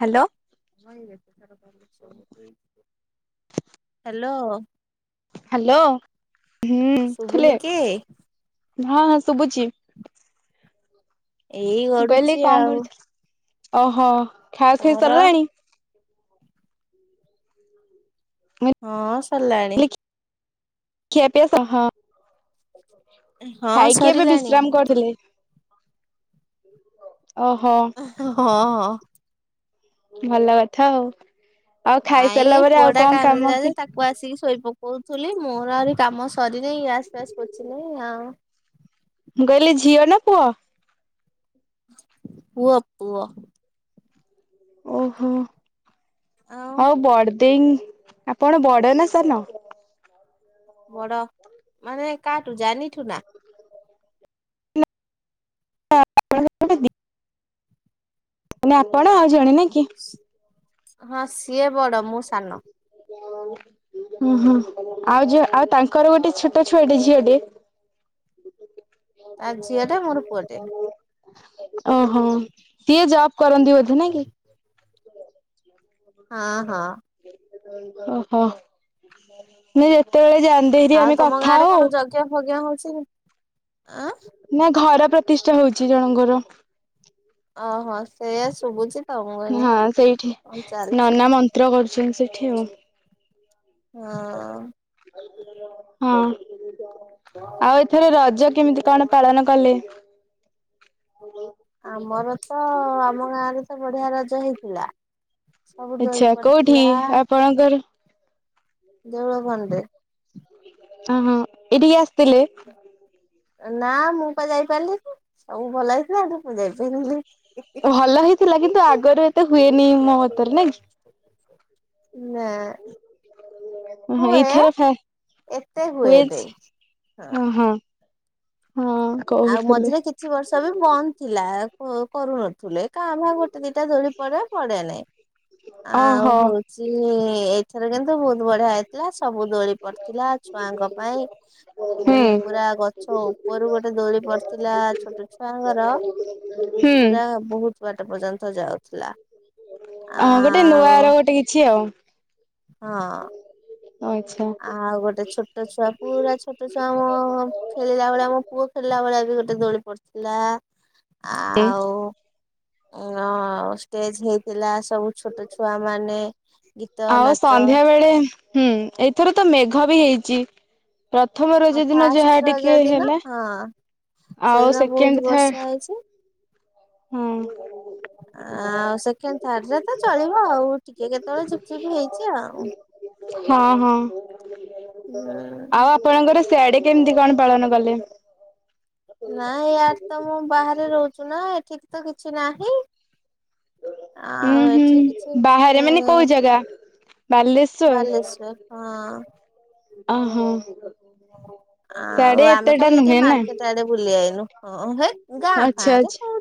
Hello hello hello ହୁଁ ଥିଲେ ଶୁଭୁନି କି? ହଁ ହଁ ଶୁଭୁଛି ଏଇ ମୁଁ କହିଲି ଗଡୁଛି କଣ ଆଉ କରୁଥିଲି ଓହୋ ଖାଆ ଖିଆଇ ତମର? ସରିଲାଣି ହୁଁ ହଁ ସରିଲାଣି। ଖିଆ ପିଆ ସହ ହଁ ଖାଇକି ଏବେ ସରିଲାଣି ବିଶ୍ରାମ କରିଥିଲେ। ଓହୋ। ହଁ ହଁ। ଭଲ କଥା ହଉ ଆଉ ନାଇଁ ଏଇ ଖାଇସାରିଲା ପରେ ପୁଅ ଆଉ ଟା କଣ କାମ କାନ୍ଦିଲା ଯେ କି? ତାକୁ ଆସିକି ଶୋଇ ପକଉଥିଲି ମୋର ଆହୁରି କାମ ସରିନହିଁ ଆସ ଫସ କରଛି ନାହିଁ ଆଉ। ମୁଁ କହିଲି ଝିଅ ନା ପୁଅ? ପୁଅ ପୁଅ। ଓହୋ ଆଉ ହଉ ବଡଦ ଆପଣ ବଡ ନା ସାନ? ବଡ। ମାନେ କାହାଠୁ ଜାନିଠୁ ନା? [unintelligible] ମାନେ ଆପଣ ଆଉ ଜଣେ ନା କି? ହଁ ସିଏ ବଡ ମୁଁ ସାନ। [unintelligible] ହୁଁ ହୁଁ ଆଉ ଯୋ ଆଉ ତାଙ୍କର ଗୋଟେ ଛୋଟ ଛୁଆଟେ ଝିଅ ଟେ। ତା ଝିଅ ଟେ ମୋର ପୁଅଟେ [inaudible] ଓହୋ ସିଏ ଜବ୍ କରନ୍ତି ବୋଧେ ନା କି? ହ ହଁ ହଁ। ଓହୋ ମୁ ଯେତେବେଳେ ଯାନ୍ଦରି ଆମେ କଥା ଆଉ। କେ ଭଗି ହଉଛି ଆ ନା ଘର ପ୍ରତିଷ୍ଠା ହଉଛି ଜଣଙ୍କର। ଓହୋ ସେଇଆ ଶୁଭୁଛି। ତ ମୁଁ କହିନି ହଁ ସେଇଠି କଣ ଚାଲିଛି ନନା ମନ୍ତ୍ର କରୁଛନ୍ତି ସେଇଠି ଆଉ। ହଁ। ହଁ ଆଉ ଏଥର ରଜ କେମିତି କଣ? ପାଳନ କଲେ। ଆମର ତ ଆମ ଗାଁ ରେ ତ ବଢ଼ିଆ ରଜ ହେଇଥିଲା। ସବୁ ଦୋଳି ଆଛା କୋଉଠି ପଡିଥିଲା ଆପଣଙ୍କର? ଦେଉଳ ବନ୍ଦେ ଅ ହଁ ଏଠିକି ଆସିଥିଲେ। ନା ମୁଁ ପା ଯାଇପାରିଲିନି ସବୁ ଭଲ ହେଇଥିଲା କିନ୍ତୁ ପୁ ଯାଇପାରିଲି। ଭଲ ହେଇଥିଲା କିନ୍ତୁ ଆଗରୁ ଏତେ ହୁଏନି ମୋ ମତରେ ନାଇଁ। ନା ହଁ ହୁଏ ଏଇଥର ଫା ଏତେ ହୁଏ ହୁଏନି ଓ ହଁ ହଁ ଆଉ କହୁଥିଲେ ମଝିରେ କିଛି ବର୍ଷ ବି ବନ୍ଦ ଥିଲା କରୁନଥିଲେ କା ଭାଁ ଗୋ ଗୋଟେ ଦି ଟା ଦୋଳି ପଡ଼େ ପଡ଼େନେହିଁ। ଆଉ ଓହୋ ହୋ ଚି ଏଇଥର କିନ୍ତୁ ବହୁତ୍ ବଢ଼ିଆ ହେଇଥିଲା। ସବୁ ଦୋଳି କରିଥିଲା ଛୁଆଙ୍କ ପାଇଁ ହୁଁ ବହୁତ୍ ପୁରା ଗଛ ଉପରୁ ଗା ଗୋଟେ ଦୋଳି ପଡ଼ିଥିଲା ଛୋଟ ଛୁଆଙ୍କର ହୁଁ ପୁରା ବୋହୁତ୍ ଛୁଆଟା ପର୍ଯ୍ୟନ୍ତ ଯାଉଥିଲା। ହଁ ଗୋଟେ ନୂଆ ଆଉ ର ଗୋଟେ କିଛି ଆଉ। ହଁ ଆଚ୍ଛା ଆଉ ଗୋଟେ ଛୋ ଛୋଟ ଛୁଆ ପୁରା ଛୋଟ ଛୁଆମ ଖେଳିଲା ଭଳିଆ ଆମ ପୁଅ ଖେଳିଲା ଭଳିଆ ବି ଗୋଟେ ଦୋଳି ପଡ଼ିଥିଲା। ଏ ହୋଉ ଆଁ ଷ୍ଟେଜ୍ ନେଇଥିଲା ସବୁ ଛୋଟ ଛୁଆ ମାନେ ଗୀତ ଆଉ ନାଚ ସନ୍ଧ୍ୟା ବେଳେ ହୁଁ ଏଇଥର ତ ମେଘ ବି ହେଇଚି। ପ୍ରଥମ ଆଉ ରଜ ଦିନ ଫାଷ୍ଟ ଯାହା ରଜ ଟିକେ ଦିନ ହେଲା। ହଁ ଆଉ ସେଇଦିନ ବହୁତ ସେକେଣ୍ଡ ବର୍ଷା ହେଇଛି ଥାର୍ଡ ହୁଁ। ଆଉ ସେକେଣ୍ଡ ଥାର୍ଡ ରେ ତ ଚଳିବ ଆଉ ଟିକେ କେତେବେଳେ ଝିପ୍ ଝିପ୍ ହେଇଚି ଆଉ। ହଁ ହଁ ହୁଁ ଆଉ ଆପଣଙ୍କର ସିଆଡେ କେମିତି କଣ ପାଳନ କଲେ? ନାଇଁ ୟାର ତ ମୁଁ ବାହାରେ ରହୁଛୁ ନା ଏଠିକ ତ କିଛି ନାହିଁ। ହୁଁ ଆଉ ହୁଁ ଏଠି କିଛି ବାହାରେ ମାନେ କୋଉ ଜାଗା ବାଲେଶ୍ ବାଲେଶ ହଁ ଅ ହୋ ଆ ଆଉ ଆମେ ଖାଲି ଏ ଟେ ମାର୍କେଟ୍ ଆଡ଼େ ବୁଲି ଆଇନୁ। ହଁ ହେ ଗାଁ ଆଚ୍ଛା ଫାଁ ରେ ଆଚ୍ଛା କୋ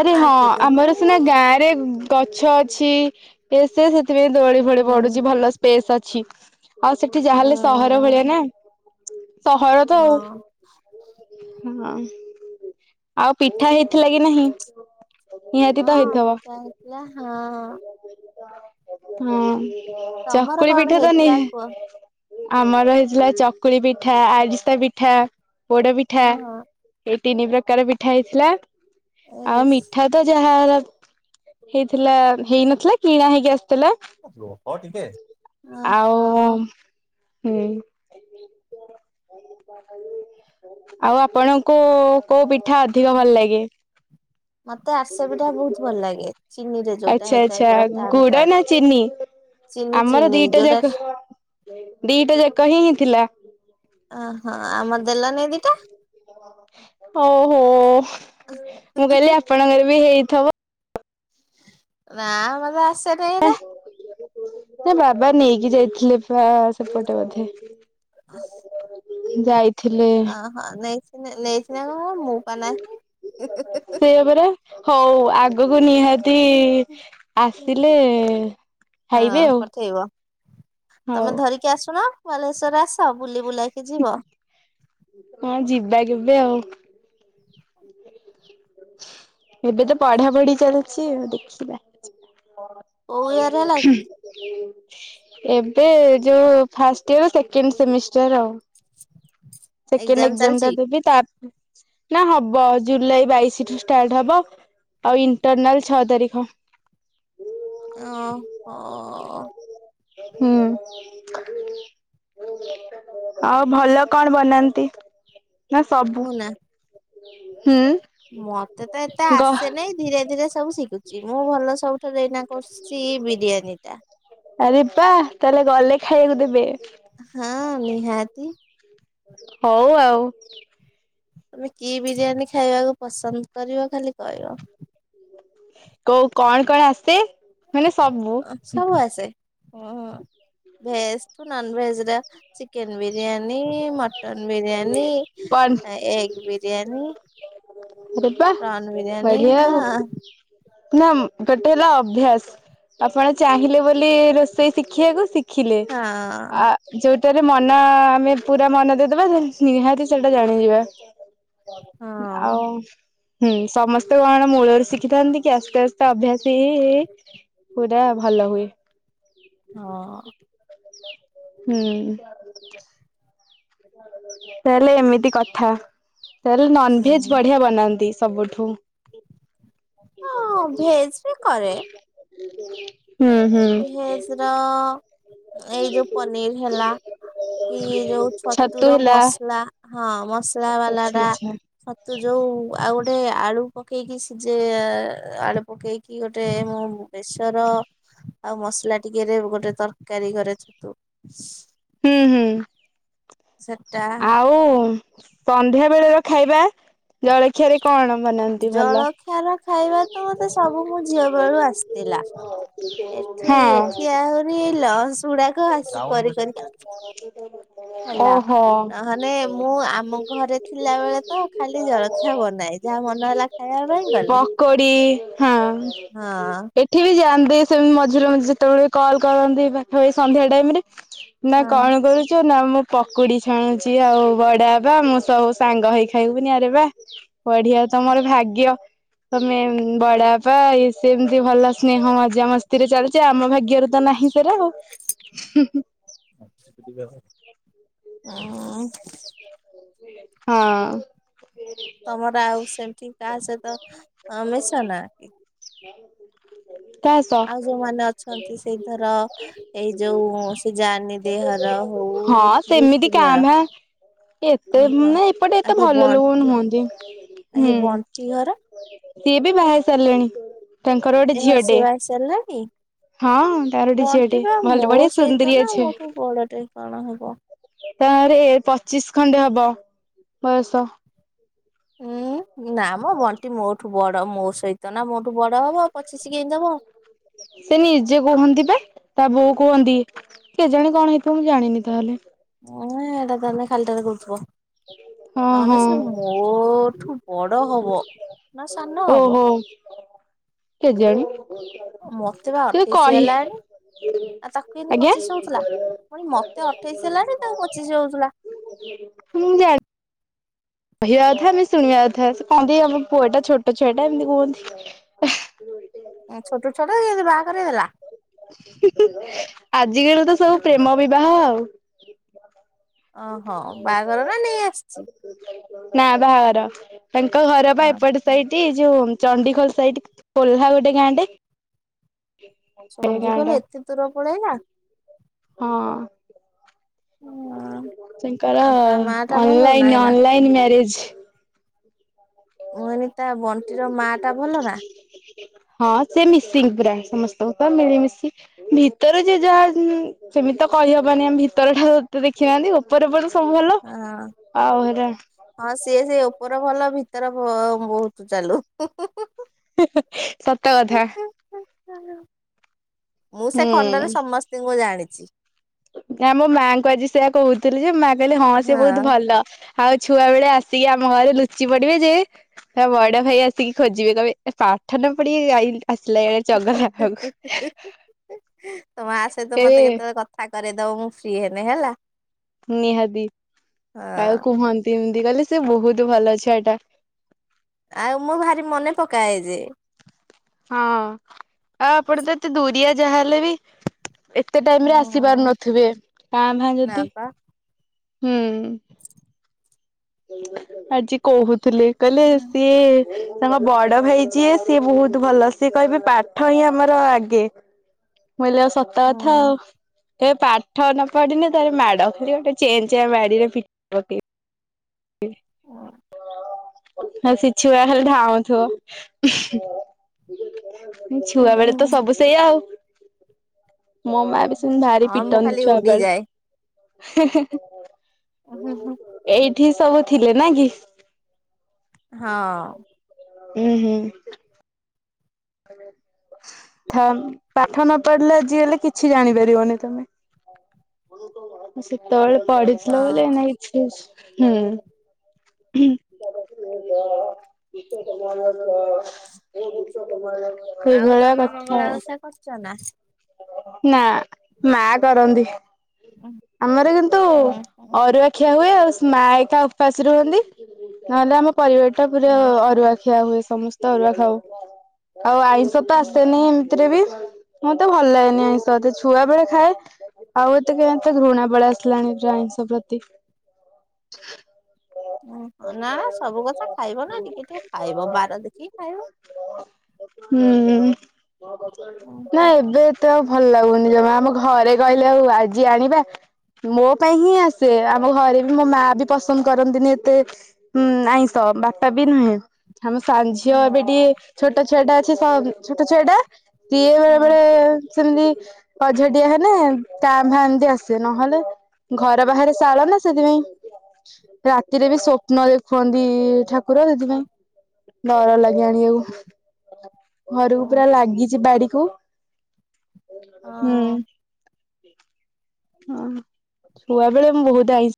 ଆରେ ହଁ ଉପରେ ଆମର ସିନା ନୁହେଁ ଗାଁରେ ଗଛ ଅଛି। ଏ ସେ ସେଥି ସେଥିପାଇଁ ଦୋଳି ଫୋଳି ହୁଁ ପଡୁଛି ଭଲ ସ୍ପେସ୍ ଅଛି। ଆଉ ସେଠି ଯାହାହେଲେ ସହର ଭଳିଆ ଉଁ ନା ସହର ତ ହଁ। ହୁଁ ଆ ଆଉ ପିଠା ହେଇଥିଲା କି ନାହିଁ? ନିହାତି ତ ହଁ ହେଇଥିବ। ପିଠା ହେଇଥିଲା ହଁ। ହଁ ତମର ଚକୁଳି କଣ ପିଠା ତ ନି ହେଇଥିଲା କୁହ? ଆମର ହେଇଥିଲା ଚକୁଳି ପିଠା, ଆରିସା ପିଠା। ପୋଡ଼ ପିଠା ହଁ ଏଇ ତିନି ପ୍ରକାର ପିଠା ହେଇଥିଲା ଆଉ ଏସ୍ ମିଠା ତ ଯାହା ହେଲା ହେଇଥିଲା ହେଇନଥିଲା କିଣା ହେଇକି ଆସିଥିଲା। ରହ ଟିକେ ଆଉ ହୁଁ ଆଉ ଆପଣଙ୍କୁ କୋଉ ପିଠା ଅଧିକ ଭଲ ଲାଗେ? ମତେ ଆରିସା ପିଠା ବହୁତ୍ ଭଲଲାଗେ। ଚିନିରେ ଆଚ୍ଛା ଆଚ୍ଛା ଗୁଡ଼ ଟାଣ। ନା ଚିିନି। ଚିନି ଆମର ଚିନି ଦିଟା ଯୋଉଟା ଯାକ ଦିଟା ଯାକ ହିଁ ହିଁ ଥିଲା। ଓହୋ! ଆମ ଦେଲନି ଦିଟା। ଓହୋ! ମୁଁ କହିଲି ଆପଣଙ୍କର ବି ହେଇଥିବ। ନା ମଲା ସେ ବାବା ନେଇକି ଯାଇଥିଲେ। ବା ସେପଟେ ବୋଧେ ଯାଇ ଓହଁ ନେଇିନା ନେଇ ସିନା କଣ କଣ ମୁଁ ପା ନାହିଁ? ହଉ ଆ [unintelligible] ଆଗକୁ ନିହାତି ଆସିଲେ ହଁ ଖାଇବେ ଆଉ। ହଉ। ଟିକେ ଆସୁନ ବାଲେଶ୍ୱରରେ ଆସ ବୁଲି ବୁଲାକି ଯିବ। ହଁ ଯିବା କେବେ ଆଉ। ହ [unintelligible] ଏବେ ତ ପଢା ପଢି ଚାଲିଛି ଆଉ ଦେଖିବା। କୋଉ ଇୟର ହେଲା କି [unintelligible] ଏବେ ଯୋଉ ଫାଷ୍ଟ ଇୟର ସେକେଣ୍ଡ ସେମିଷ୍ଟର ଆଉ। ସେକେଣ୍ଡ ଏକ୍ଜାମ ଏକ୍ସମ୍ ଟା ଚାଲିଛି ଦେବି ତ [unintelligible] ନା ହବ ଜୁଲାଇ ବାଇଶି ରୁ ଷ୍ଟାର୍ଟ ହବ। ଆଉ ଇଣ୍ଟରନାଲ ଛଅ ତାରିଖ। ଓ ହୋ! ହୁଁ। ଆଉ ଭଲ କଣ ବନାନ୍ତି ନା ସବୁ? ମୁଁ ନା ହୁଁ। ମତେ ତ ଏତେ ଗ ଆସେନହି ଧୀରେ ଧୀରେ ସବୁ ଶିଖୁଛି ମୁଁ ଭଲ ସବୁ। ତୋଦେଇ ଏ ଇନା କରଚ୍ଛ ବିରିୟାନୀ ଟା। ଆରେ ପା ତାହେଲେ ଗଲେ ଖାଇବାକୁ ଦେବେ। ହଁ ନିହାତି। ହଉ ଆଉ। ତମେ କି ବିରିୟାନୀ ଖାଇବାକୁ ପସନ୍ଦ କରିବ ଖାଲି କହିବ। କୋଉ କଣ କଣ ଆସେ ମାନେ ସବୁ। ସବୁ ଆସେ ହ ଭେଜ୍‌ ଟୁ ନନ ଭେଜ ରେ ଚିକେନ ବିରିୟାନୀ, ମଟନ ବିରିୟାନୀ କଣ ଏଗ ବିରିୟାନୀ ଆରେ ବା ପ୍ରାଉନ ବିରିୟାନୀ ବଢିଆ ହଁ। ଆଉ ନା ଗୋଟେ ହେଲା ଅଭ୍ୟାସ। ଆପଣ ଚାହିଁଲେ ବୋଲି ରୋଷେଇ ଶିଖିବାକୁ ଶି ଖିଲେ ହଁ ଆ ଯୋଉଟାରେ ମନ ଆମେ ପୁରା ମନ ଦେଇଦବା ନିହାତି ସେଇଟା ଜାଣିଯିବା। ଆଉ ହଁ ହୁଁ, ସମସ୍ତେ କଣ ମୂଳରୁ ଶିଖିଥାନ୍ତି କି ଆସ୍ତେ ଆସ୍ତେ ଅଭ୍ୟାସ ହେଇ ହେଇ ପୁରା ଭଲ ହୁଏ। ହଁ। ହୁଁ। ତାହେଲେ ଏମିତି କଥା ତାହେଲେ ନନ୍‌ଭେଜ୍‌ ହଁ ବଢିଆ ବନାନ୍ତି। ସବୁଠୁ। ହଁ ଭେଜ ବି କରେ ହ [unintelligible] ଭେଜ ର ଏଇ ଯୋଉ ପନିର ହେଲା। କି ଯୋଉ ଛତୁ ଛତୁର ହେଲା। ମସଲା ହଁ ମସଲା ବାଲା ଆଚ୍ଛା ଟା। ଆଚ୍ଛା ଛତୁ ଯୋଉ ଆଉ ଗୋଟେ ଆଳୁ ପକେଇକି ସିଜେ ଆଳୁ ପକେଇକି ଗୋଟେ ମୁଁ। ବେସର। ଆଉ ମସଲା ଟିକେରେ ଗୋଟେ ତରକାରୀ କରେ ଛତୁ। ହୁଁ ହୁଁ। ସେଟା ଆଉ ସନ୍ଧ୍ୟା ବେଳ ର ଖାଇବା ଜଳଖିଆରେ କଣ ବନାନ୍ତି ଭଲ ଜଳଖିଆର ଖାଇବା ତ ମତେ ସବୁ ମୋ ଝିଅ ବେଳୁ ଏଠି ହଁ ଏଠି ଆହୁରି ଲସ ଗୁଡାକ ଆସି କରି କରିକା ଓହୋ। ନହଲେେ ମୁଁ ଆମ ଘରେ ଥିଲା ବେଳେ ତ ଖାଲି ଜଳଖିଆ ବନାଏ ଯାହା ମନ ହେଲା ଖାଇବା ପାଇଁ ଗଲେ ପକଡ଼ି। ହଁ। ଏଠି ବି ଯାଆନ୍ତି ସେମିତି ମଝିରେ ମଝିରେ ଯେତେବେଳେ କଲ୍ କରନ୍ତି ପାଖାପାଖି ସନ୍ଧ୍ୟା ଟାଇମ ରେ। ନା ହଁ କଣ କରୁଚ଼ନା ମୁଁ ପକୁଡି ଛାଣୁଛି ଆଉ ବଡ ବାବା ମୁଁ ସବୁ ସାଙ୍ଗ ହେଇ ଖାଇବୁନି ଆରେ ବା। ବଢିଆ ତମର ଭାଗ୍ୟ ତମେ ବଡବାପା ସେ ସେମିତି ଭଲ ସ୍ନେହ ମଜା ମସ୍ତିରେ ଚାଲିଚିିଆମ ଭାଗ୍ୟରେ ତ ନାହିଁ ସେରା ହଉ ହଁ [unintelligible] [inaudible] ହଁ। ତମର ଆଉ ସେମିତି କାହା ସହିତ ମିଶନା ହ [unintelligible] ଆଉ ଯୋଉମାନେ ଅଛନ୍ତି ସେଇ ଧର ଏଇ ଯୋଉ ସେ ଜା ହଁ ସେମିତି କାଁ ଭା। ଏତେ ଓହୋ। ମାନେ ଏପଟେ ଆଉ ଏତେ ସେ ଭଲ ଲୋକ ବଣ୍ଟି ନୁହନ୍ତି ଆଉ ହୁଁ। ସେ ବଣ୍ଟି ଘର ସିଏ ବି ବାହାହେଇସାରିଲେଣି ତାଙ୍କର ଗୋଟେ ଏ ବା ଝିଅ ସେ ଟେ। ବାହା ହେଇ ସାରିଲାଣି? ହଁ ତାରଟେ ଗୋଟେ ବଣ୍ଟି ଝିଅଟେ ବା ମୋ ଭଲ ବଢିଆ ସହିତ ସୁନ୍ଦରୀ ନା ମୋଠୁ ଆଝିଅଟେ। ବଡଟେ କଣ ହବ? ତାରେ ପଚିଶ ଖଣ୍ଡେ ହବ ବୟସ। ଉୁଁ ନା ମ ବଣ୍ଟି ମୋଠୁ ବଡ ମୋ ସହିତ ନା ମୋଠୁ ବଡ ହବ ପଚିଶ କେମିତି ହବ ସେ ନିଜେ କୁହନ୍ତି ବା ତା ବୋଉ କୁହନ୍ତି କେ ଜାଣେ କଣ ହେଇଥିବ ମୁଁ ଜାଣିନି ତାହେଲେ ମାନେ ଏଇଟା ଖାଲିଟାରେ କହୁଥିବ ହଁ ନହେଲେ ହଁ ସେ ମୋଠୁ ବଡ ହବ ନା ସାନ ହବ ଓହୋ କେଜାଣି ମତେ ବା ସେ ଅଠେଇଶି ହେଲାଣି କହି- ଆଉ ତାକୁ କେମିତି ଆଜ୍ଞା ପଚିଶ ହଉଥିଲା। ପୁଣି ମତେ ଅଠେଇଶି ହେଲାଣି ତାକୁ ପଚିଶି ହଉଥିଲା ମୁଁ ଯା କହିବା କଥା ଆମେ ଶୁଣିବା କଥା ସେ କହନ୍ତି ଆମ ପୁଅଟା ଛୋଟ ଛୁଆ ଟା ଏମିତି କୁହନ୍ତି- [inaudible] ଛୋଟ ଛୁଆଟା କେମିତି ବାହାଘର ହେଇଗଲା। ଆଜିକାଲିତ ସବୁ ପ୍ରେମ ବିବାହ ଆଉ ଓହୋ ବାହାଘର ନା ନେଇ ଆସିଛି- ନା ବାହାଘର ତାଙ୍କ ଘର ବା ଏପଟେ ଓହୋ। ସେଇଠି ଯୋଉ ଚଣ୍ଡିଖୋଲ ସଇଠ କୋଲ୍ଲା ଗୋଟେ ଗାଁ ଟେ ସେ ଗାଁ ଚଣ୍ଡିଖୋଲ ଟା ଏତେ ଦୂର ପଳେଇଲା ହଁ ତାଙ୍କର ଆଉ ତା ମା ଟା ଭଲ ନାଇଁ ନା ଅନଲାଇନ ଏଇନା। ଅନଲାଇନ ମ୍ୟାରେଜ- ମାନେ ତା ବଣ୍ଟିର ମା ଟା ଭଲ ନା ହଁ ସେ ମିଶିଙ୍ଗ ପୁରା ସମସ୍ତଙ୍କୁ ତ ମିଳିମିଶି ଭିତରେ ଯିଏ ଯାହା ସେମିତି ତ କହିହବନି ଆମେ ଭିତର ଟା ତତେ ଦେଖିନାହାନ୍ତି ଉପରେ ପରେ ସବୁ ଭଲ ହଁ। ଆଉ ହେରା ହଁ ସିଏ ସେ ଉପର ଭଲ ଭିତର ବହୁତୁ ଚାଲୁ ସତ କଥା ମୁଁ ସେ ହୁଁ ଖଣ୍ଡରେ ସମସ୍ତଙ୍କୁ ଜାଣିଛି ନା ମୋ ମାଆଙ୍କୁ ଆଜି ସେୟା କହୁଥିଲି ଯେ ମାଆ କହିଲେ ହଁ ସେ ବହୁତୁ ଭଲ। ଆଉ ଛୁଆ ବେଳେ ଆସିକି ଆମ ଘରେ ଲୁଚି ପଡିବେ ଯେ ହ ବଇଡା ଭାଇ ଆସିକି ଖୋଜିବେ କବେ ପାଠ ନ ପଢିକି ଗାଇଲେ ଆସିଲା ଏେ ଚଗକୁ କେବେ କଠା କରିଦବ ମୁଁ ଫ୍ରି ହେନି ହେଲା। ନିହାତି ଆଉ ହଁ କୁହନ୍ତି ଏମିତି କହିଲେ ସେ ବହୁତ ଭଲ ଛୁଆଟା। ଆଉ ମୁଁ ଭାରି ମନେ ପକାଏ ଯେ। ହଁ ଆଉ ଆପଣ ତ ଏତେ ଦୁରିଆ ଯାହା ହେଲେ ବି ଏତେ ଟାଇମ ରେ ଆସି ହୁଁ ପାରୁନଥିବେ କାଁ ଭାଁ ନା ଯଦି ପା। ହୁଁ ଆଜି କହୁଥିଲେ କହିଲେ ହୁଁ ସିଏ ତାଙ୍କ ବଡ ଭାଇ ଯିଏ ସିଏ ବହୁତ ଭଲ ସିଏ କହିବେ ପାଠ ହିଁ ଆମର ଆଗେ। ବୋଇିଲଉ ସପ୍ତାହ କଥା ଆଉ। ହୁଁ ଏ ପାଠ ନ ପଢିନେ ତାର ମାଡ ଖ ଗୋଟେ ଚେନ୍ ଚେନ୍ ବାଡିରେ ପକେଇବି। ଆ ସେଛୁଆ ହଲ ଢାଅ ଛୁଆ ବେଳେ ତ ସବୁ ସେଇଆ ଆଉ ମୋ ମା ବି ସେମିତି ଭାରି ହଁ ମୁଁ ପିଟନ୍ତି ଖାଲି ଛୁଆ ବେଳେ। ଉଡିଯାଏ। ହୁଁ ହୁଁ ଏଇଠି ସବୁ ଥିଲେ ନ କି। ହଁ। ହୁଁ ହୁଁ। ଆ ପାଠ ନ ପଢିଲେ ଆଜି ହେଲେ କିଛି ଜାଣିପାରିବନି ତମେ ସେତେବେଳେ ପଢିଥିଲ ବ ହଁ ନାଇଁଛି ହୁଁ ହୁଁ [unintelligible] ଆଉ ତମେ ମଙ୍ଗଳା ଓସା କରୁଛ ନା? ନା ମା କରନ୍ତି। ହୁଁ ଆମର କିନ୍ତୁ ହୁଁ ଅରୁଆଖିଆ ହୁଏ ଆଉ ମା ଏକା ଉପାସ ରୁହନ୍ତି ନହେଲେ ଆମ ପରିବାର ଟା ପୁରା ହୁଁ ଅରୁଆଖିଆ ହୁଏ ସମସ୍ତେ। ତ ଅରୁଆ ଖାଉ ଆଉ ଆଇଁଷ ତ ହୁଁ ଆସେନି ଏମିତିରେ ବି। ମତେ ଭଲ ଲାଗେନି ଆଇଁଷ ଏତେ ଛୁଆ ବେଳେ ଖାଏ। ଆଉ ଏତେ କେମିତି ଘୃଣା ପଳେଇ ଆସିଲାଣି ଆଇଁଷ ପ୍ରତି। ଓହୋ ନା ସବୁ କଥା ଖାଇବ ନା ଟିକେ ଟିକେ ଖାଇବ ବାର ଦେଖିକି ଖାଇବ। ହୁଁ ହୁଁ ନାଇଁ ଏବେ ଏତେ ଆଉ ଭଲ ଲାଗୁନି ଜମା ଆମ ଘରେ କହିଲେ ଆଉ ଆଜି ଆଣିବା ମୋ ପାଇଁ ହିଁ ଆସେ ଆମ ଘରେ ବି ମୋ ମା ବି ପସନ୍ଦ କରନ୍ତିନି ଏତେ ହୁଁ ଆଇଁଷ ବାପା ବି ନୁହେଁ। ଆମ ହୁଁ ସାନ୍ଝିଅ ଏବେ ଟିକେ ଛୋଟ ଛୁଆ ଟା ଅଛି ଛୋଟ ଛୁଆ ଟା ସିଏ ବେଳେ ହଁ। ବେଳେ ସେମିତି ଅଝଡିଆ ହେଲେ କାଁଭା ଏମତି ଆସେ ନହେଲେ ଘର ବାହାରେ ଶାଳ ନା ସେଥିପାଇଁ ରାତିରେ ବି ସ୍ବାପ୍ନ ଦେଖୁଅନ୍ତି ଠାକୁର ସେଥିପାଇଁ ଡର ଲାଗେ ଆଣିବାକୁ ଘରକୁ ପୁରା ହୁଁ ଲାଗିଛି ବାଡିକୁ। ହଁ। ହୁଁ। ହଁ ଛୁଆ ବେଳେ ମୁଁ ବହୁତ ଆଇଁଷ